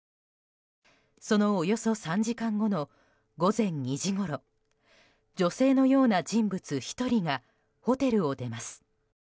そのおよそ３時間後の午前２時ごろ女性のような人物１人がホテルを出ます。